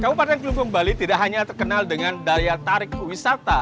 kabupaten kelungkung bali tidak hanya terkenal dengan daya tarik wisata